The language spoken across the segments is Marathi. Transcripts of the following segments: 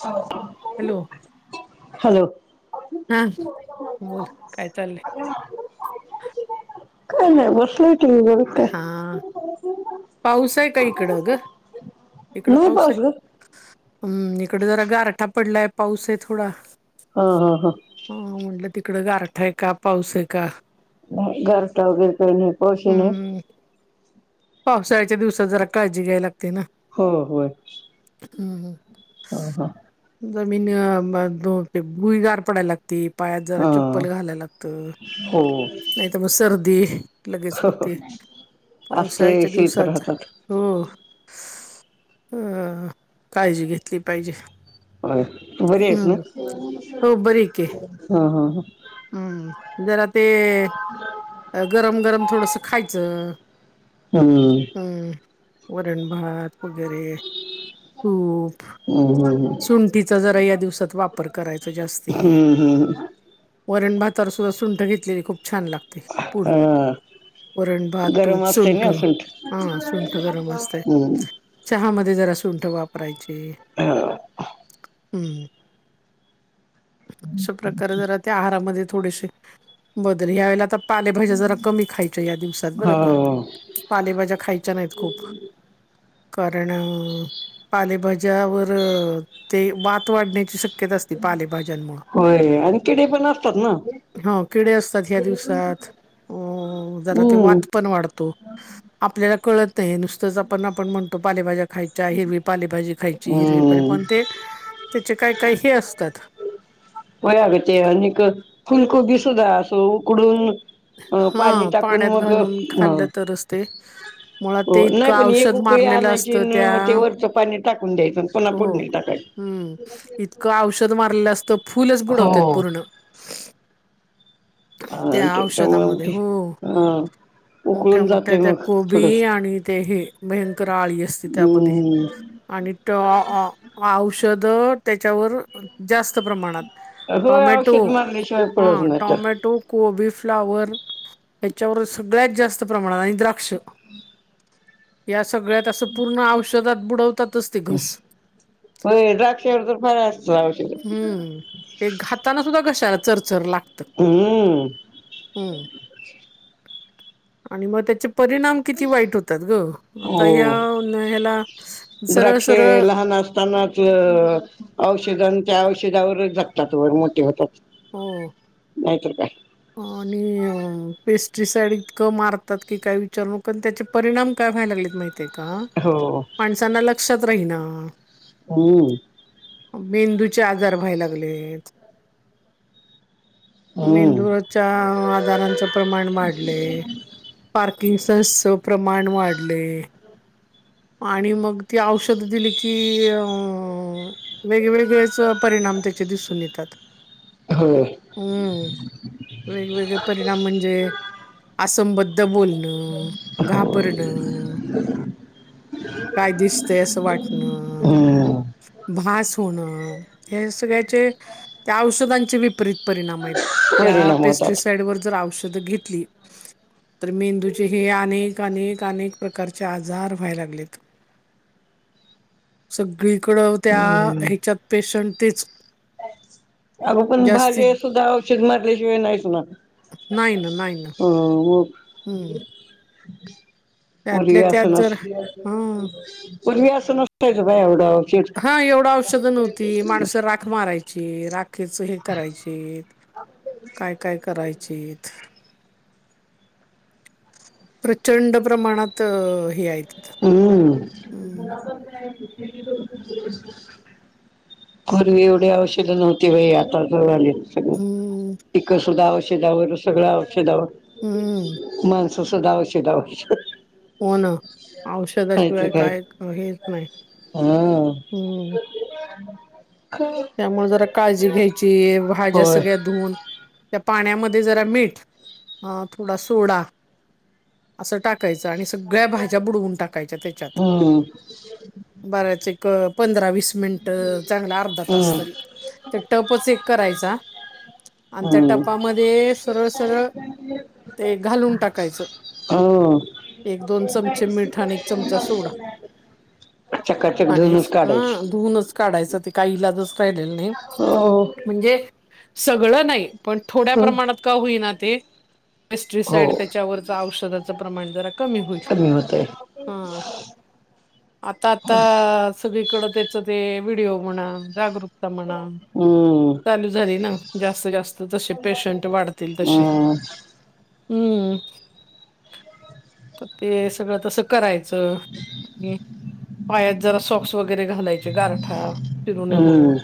चालतय. हॅलो, हा बोल. काय चाललंय? काय नाही बसलेय टीव्ही बघत. काय हां. [unintelligible] पाऊस आहे का इकडं ग? इकडं नाही पाऊसय. पाऊस ग हं. इकडे जरा गारठा पडलाय, पाऊसय थोडा. हो हो हो. हं. म्हंटलं तिकडं गारठा आहे का? पाऊस आहे का? गारठा वैगरे काही नाही. पाऊसही नाही. हम्म पावसाळ्याच्या दिवसात जरा काळजी घ्याय लागते ना. हो होय. हं हं. ह ह. जमीन म न ते भुई गार पडाय लागते. ते पायात जरा हा चप्पल घालायला लागत, हो नाहीतर मग सर्दी लगेच हो. होते. आज ते पावसाळ्याच्या शिल्प दिवसात राहतात हो. अ काळजी घेतली पाहिजे. होय. बरी आहेस ना? हम्म हं हं हं. हं. जरा ते [inaudible] अ गरम गरम थोडस खायचं. हम्म हं. वरण भात वगैरे तूप- हम्म सुंठीचा जरा या दिवसात वापर करायचा जास्ती हम्म हम्म वरण भातावर सुुद्धा सुंठ घेतलेली खूप छान लागते पुड- हा वरण भात गरम तूप असते सुंठ ना हा सुंठ गरम असते. हम्म चहामध्ये जरा सुंठ वापरायची. हा! हम्म अशा प्रकारे जरा त्या आहारामध्ये थोडीशी बदल ह्या वेळेला आता पालेभाज्या जरा कमी खायच्या या दिवसात बरं का- हो पालेभाज्या खायच्या नाहीत खूप- कारण पालेभाज्यावर- ते वात वाढण्याची शक्यता असते पालेभाज्यांमुळे होय आणि किडे पण असतात ना? हो किडे असतात ह्या दिवसात. ह हो जरा ते वात पण वाढतो. आपल्याला कळत नाही नुसतंच आपण आपण म्हणतो पालेभाज्या खायच्या हिरवी पालेभाजी खायची हिरवि हम्म पण ते त्याचे काय काही हे असतात व्हय अगं ते आणिक फुल कोबी सुद्धा असं उकडून अं हा पाणी टाकून पाण्यात मग घालून ह खाल्लं तरच ते मुळात हो ते इतकं नाही पण एक औषध उकळी मारलेलं आणायची असतं त्या अन् ते वरचं पाणी टाकून द्यायचं पुन्हा हो फुडणी टाकायची हम्म इतकं औषध मारलेल असतं फुलच बुडवतेत हो. पूर्ण अ त्या त्याच्यामुळे मग औषधामध्ये ते हो अ मोठ्या उकळून मोठ्या जातय त्या मग थोडस कोबी आणि ते हे भयंकर आळी असते त्यामध्ये हम्म. आणि त औषधं त्याच्यावर जास्त प्रमाणात होय टॉमॅटो औषध मारल्याशिवाय पळत हा नाही तर टॉमॅ टो कोबी फ्लावर ह्याच्यावर सगळ्यात जास्त प्रमाणात द्राक्ष या सगळ्यात अस पूर्ण औषधात बुडवतातच ते घस होय द्राक्षावर तर फार असतं औषधं हम्म ते घाताना सुद्धा कशाला चरचर लागतं हम् हम्म आणि मग त्याचे परिणाम किती वाईट होतात ग आता ह्या हो. उन्हाळ्याला सरळ सरळ तणाचं औषध त्या औषधावरच जगतात वर मोठे होतात. हो! नाहीतर काय आणि पेस्ट्रीसाइड इतकं मारतात की काय विचार नको अन् त्याचे परिणाम काय व्हायला लागलेत माहिती आहे का हो माणसांना लक्षात राहीना हो मेंदूचे आजार व्हाय लागलेत हम्म मेंदूच्या आजारांचं प्रमाण वाढले पार्किंगचे प्रमाण वाढले आणि मग ती औषधं दिली की अ वेगवेगळेच परिणाम त्याचे दिसून येतात हो हम्म वेगवेगळे परिणाम म्हणजे आसमबद्ध बोल न हो घाबरण काय दिसतंय असं वाटण. हम्म भास होणं हे सगळ्याचे त्या औषधांचे विपरीत परिणामाइत त्या परिणाम होतात पेस्टिसाईड वर जर औषध घेतली. तर मेंदूचे हे अनेक अनेक अनेक प्रकारचे आजार व्हाय लागलेत. सगळीकडं त्या हम्म हेच्यात पेशंट तेच अगं पण जास्तीत [unintelligible] सुद्धा औषध मारल्याशिवाय नाइ सुणार नाइ ना नाइ ना. अं व. हम्म पूर्वी त्यातल्या असं त्यात नस जर हा पूर्वी असं नसतय बाई एवढं औषध हा एवढं औषधं नव्हती माणसं राख मारायची राखेच हे करायचीत. काय काय करायचित. प्रचंड प्रमाणात हे हायत. हं. पूर्वी एवढी औषध नव्हती बाई आता [unintelligible] हम्म पीक सुद्धा औषधावर सगळं हं, औषधावर म सो सगळं औषधावरच हो ना औषधाशिवाय काय हेच नाही हा हम्म. त्यामुळे जरा काळजी घ्यायची भाज्या होय सगळ्या धुन त्या पाण्यामध्ये जरा मीठ, अं थोडा सोडा असं टाक कायच आणि सगळ्या भाज्या बुडवून टाकायच्या तेच्यात. हम्म बराच एक पंधरा वीस मिनिट चांगला अर्धा हम्म तास तरी. ते टपच एक करायचा आणि त्या हम्म टपामध्ये सरळ सरळ [inaudible] ते घालून टाकायचं. हम्म एक दोन चमचे मीठ आणि एक चमचा सोडा. चकाचक आणि धुनच काढायची हा धुऊूनच काढायचं ते काही इलाजच राहिलेला नाइ. हो. जे सगळं नाइ पण थोड्या हो प्रमाणात का होईना ते हो पेस्टिसाईड तेच्यावरच औषधाच प्रमाण जरा कमी होईल. कमी हा [inaudible] आता आता सगळीकडं तेच ते व्हिडिओ म्हणा जागरूक तमणा. हं. चालू झाली ना जास्त जास्त जसे पेशंट वाढतील तसे. हम्म हम्म त ते सगळं तसं करायचं घे. पायात जरा सॉक्स वगरे घालायचे गारठा चिरुणेम हम्म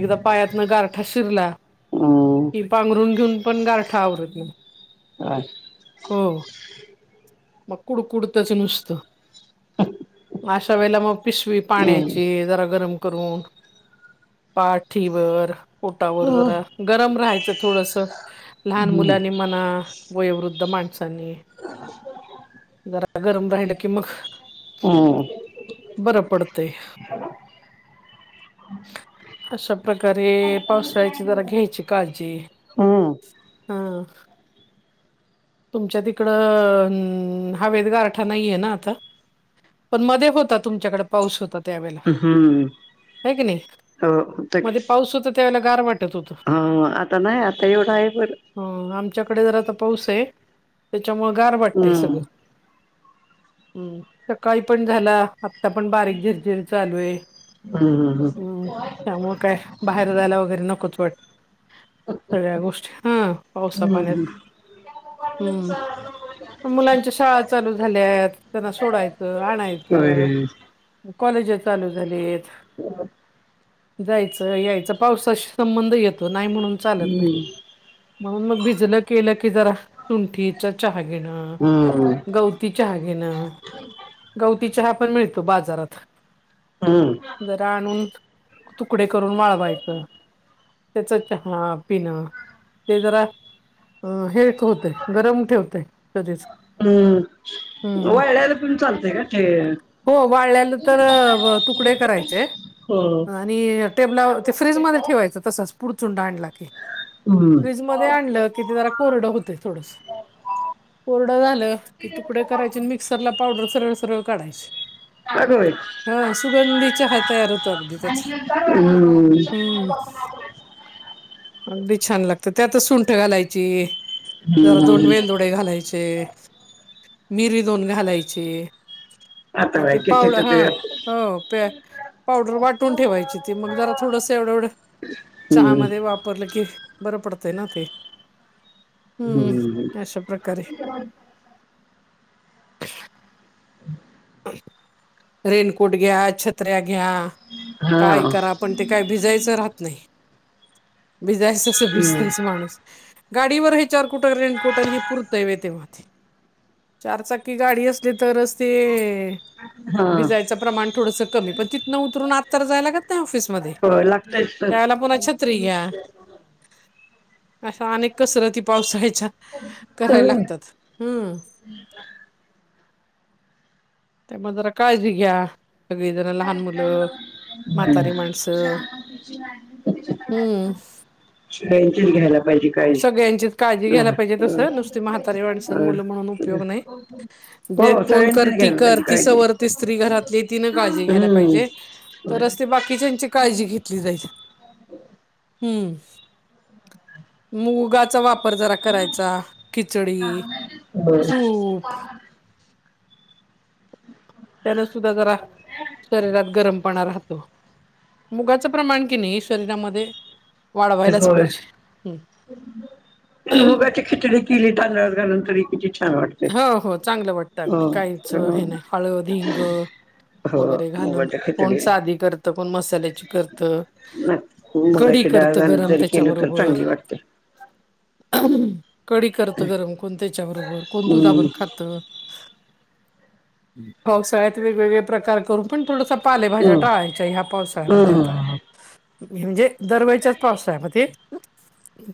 एकदा पायातनं गारठा शिरला हम्म की पांघरून घेऊन पण गारठा आवरत नाइ. [inaudible] हो म कुडकुड तच नुसतं. एक अशा वेळेला म पिसवी पाण्याची जरा गरम करून. पाठीवर. पोटावर हो जरा गरम राहायचं थोडसं लहान हम्म मुलांनी म्हणा. वयोवृद्ध माणसांनी [inaudible] जरा गरम राहिलं की मक ह बरं पडतय. अशा प्रकारे पावसाळा्याची जरा घ्यायची काळजी हम्म हा. तुमच्या तिकडं हा वदगारठा नाहीये ना आता? पण मध्ये होता तुमच्याकडे पाऊस होता त्यावेेळेला हम्म होय की नाही. हो होतं की मध्ये पाऊस होता त्यावेळेला गार वाटत होत. हा आता नाही आता एवढं आहे बरं ह आमच्याकडे जरा आता पाऊस आहे. त्याच्यामुळे गार वाटतय हम्म सगळं हम् सकाळी पण झाला ता पण बारीक झिरझिर चालू आहे. हम हम ह हम्म त्यामुळे काय बाहेर जायला वगैरे नकोच वाट सगळ्या गोष्टी हा पावसा हम्म पाण य हम्म [unintelligible] मुलांच्या शाळा चालू झाल्या आहेत त्यांना सोडायचं होय आणायचं. कॉलेज चालू झाली आहेत. हम् जायचं यायचं पावसाशी संबंध येतो नाही म्हणून चालत नाही. हम्म म्हणून मग भिजलं केलं की जरा तुंठीचा चहा घेण हम्म ग चहा गेनं. गवती चहा पण मिळतो बाजारात. हम्म जरा आणून तुकडे करून वाळवायचं. त्याच चहा पिणं ते जरा अ हे एक होते गरम ठेवते कधीच हम्म हम्म वायड्याला पण चालतय का खेळ हो वाळल्यालं तर तुकडे करायचे. हो आणि टेबला ते फ्रीजमध्येध्ये ठेवायचं तसच पुडचूनडांडला की हम्म फ्रीज मध्ये आणलं कि ते जरा कोरडं होते थोडस. कोरडं झालं की तुकडे करायचे मिक्सरला पावडर सरळ सरळ काढायचे. का ग बाई हा सुगंधीचा हातायार होतो अगदी त्याचा, हम्म हम्म अगदी छान लागत त्या आता सुंठ घालायची, जरा दोन हम्म वेल दोन घालायचे, मिरी दोन घालायचे. आता आणि बाई ते किती पावड हा किती हो प पावडर वाटून ठेवायची ती मग जरा थोडस एवढं एवढं हम्म चहामध्ये वापरलं की बरं पडतंय ना ते हम्म अशा प्रकारे हो रेनकोट घ्या, छत्र्या घ्या, हा काय करा पण ते काही भिजायचं राहत नाही भिजायचस हम्म भिजतायच माणूस गाडीवर हे चार कुट रेन कुटर हे पुरतव तेवी चार चाकी गाडी अस ते तर अस हा भिजयचं प्रमाण थोडंसं कमी पण तिथनं उतरून आज तर जायला लागत नाही ऑफिसमध्ये. हो लागतयच तर त्यावेळेला पुन्हा छत्री घ्या. अशा अनेक कसरती पावसाळ्याच्या करायला लागतात हम्म हम् त्या म जरा काळजी घ्या. सगळी जण लहान मुलं म्हातारी हम माणसं हम्म [unintelligible] बेंचीस घ्यायला सगळ्यांचीच काळजी घ्यायला पाहिजे तसं लहान नुसती म्हातारे अणसन मुलं म्हणून उपयोग नाही. जे हो कोण कर सगळ्यांचीच ती घ्यायला कर पाहिजे ती स काळजी व ते स्त्री घरातली तिन काळजी घ्यायला हम्म पाहिजे होय तरच ते बाकीच्याची काळजी घेत कि जाय हम्म मुगाचा वापर जरा करायचा खिचडी होय सूप त्यान सुद्धा जरा शरीरात गरमपणा राहतो मुगाचं प्रमाण कि नाही शरीरामध्ये वाढवायलाच होय पाहिजे ह आणि मुगाची खिचडी किली तांदळल्या नंतर किती छान वाट हो हो चांगलं वाटतं अगदी काहीच हे नाही हळद हिंग हो वगैरे घालून मुगाच्या कोण खिचडी साध करत कोण मसाल्याची करत मगाच्या डाळगान जरी केलं तर चांगली वाटते कडी करत गरम कोण त्याच्या बरोबर कोण हम्म दुधावरर ख वसात वेगग प्रकार कर पण ड पालेभाज्या टाळायच्या ह्या पावसाळ्यामध्ये आता हम्म म्हणजे दरवेळचाच पावस आहे मग ते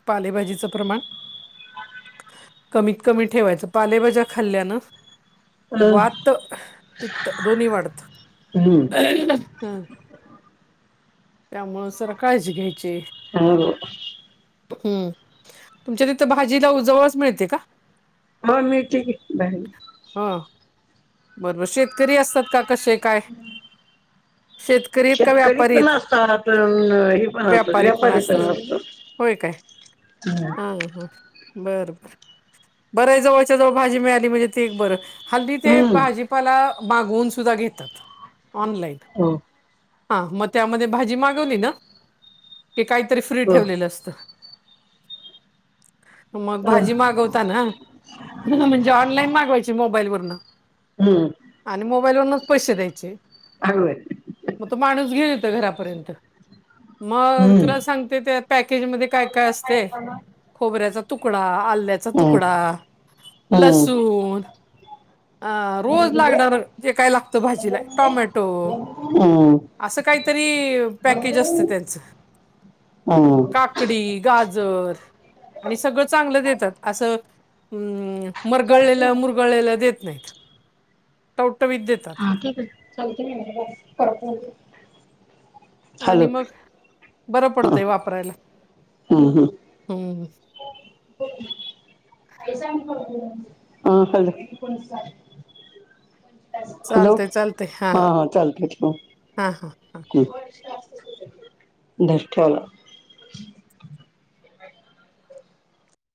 पालेभाजीच प्रमाण कमीत कमी ठेवायचं पालेबाजा खाल्ल्यानं हम्म वात पित्त दोन्ही वाढत हम्म ह त्यामु सर काळजी घ्यायची हो हम्म तुमच्या तिथं भाजीला उजवळच मिळते का हो मी ठीक आहे बहि ह बरोबर शेतकरी असतात का कसे काय शेत शेतकरीत पण असतात हे पण असत व्यापारी पण असत होय काय हा हा बर बर बर आहे जवळच्या जवळ भाजी मिळाली म्हणजे ते एक बरं हल्ली ते हम्म. हम्म भाजी आपला मागवून सुद्धा घेतात ऑनलाईन हो हा मग त्यामध्ये भाजी मागवली ना की काहीतरी फ्री हो ठेवलेलं असतं [unintelligible] मग हं, भाजी मागवताना म्हणजे ऑनलाईन माग वायची मोबाईलवर हम्म आणि मोबाईल वूनच पैसे द्यायचे हलवेय मग तो माणूस घेऊ येत घरापर्यंत मग हम्म तुला सांगते त्या पॅकेजमध्येध्ये काय काय असते खोबऱ्याचा तुकडा आल्याचा हम्म तुकडा हम्म लसूण अ रोज लागणार जे काय लागतं भाजीला टोमॅटो हम असं काहीतरी पॅकेज असतं त्यांचं हम्म काकडी गाजर आणि सगळं चांगलं देतात असं मरळले गळला देत नाही टवटवीत देतात हा ठीक आहे चालते प आणि मग बरं पडतंय वापरायला हा हा हम् हो काही सांग कर हा खल हॅलो चालतंय चालतंय हा हा चालत हा हा दष्ट्याला